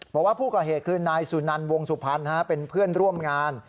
บอกว่าผู้ก่อเหตุคือนายสุนันวงสุพรรณเป็นเพื่อนร่วมงาน